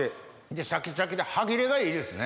でシャキシャキで歯切れがいいですね。